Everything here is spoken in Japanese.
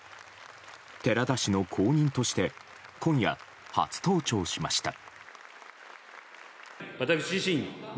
寺田氏の後任として今夜、初登庁しました。